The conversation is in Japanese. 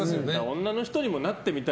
女の人にもなってみたい。